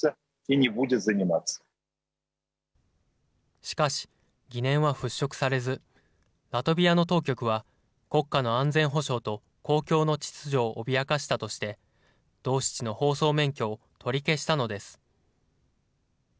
しかし、疑念は払拭されず、ラトビアの当局は、国家の安全保障と公共の秩序を脅かしたとして、ドーシチの放送免許を取り消したのです。